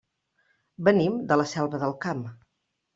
Venim de la Selva del Camp.